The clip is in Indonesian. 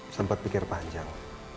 sempat pikir panjang